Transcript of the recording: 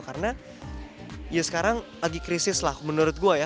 karena ya sekarang lagi krisis lah menurut gue ya